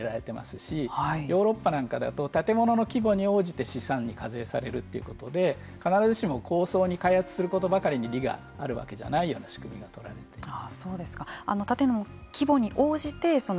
要するに低額の負担で済むような制度が取り入れられていますしヨーロッパなんかだと建物の規模に応じて資産に課税されるということで必ずしもこうそうに開発することばかりに利があるわけじゃないような仕組みが取られています。